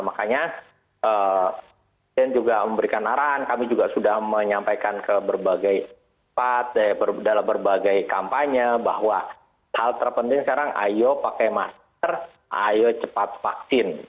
makanya presiden juga memberikan arahan kami juga sudah menyampaikan ke berbagai tempat dalam berbagai kampanye bahwa hal terpenting sekarang ayo pakai masker ayo cepat vaksin